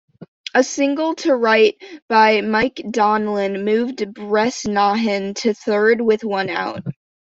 A single to right by Mike Donlin moved Bresnahan to third with one out.